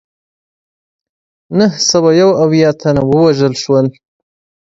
نهه سوه یو اویا تنه ووژل شول.